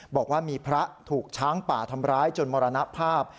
บอกว่ามีพระถูกช้างป่าทำร้ายจนมรณภาพ